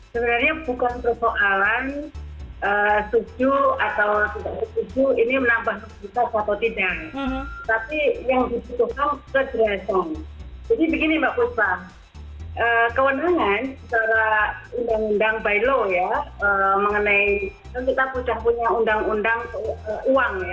sebenarnya bukan persoalan tujuh atau tidak tujuh ini menambah likuiditas atau tidak